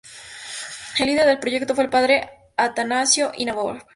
El líder del proyecto fue el padre Atanasio Ivanov.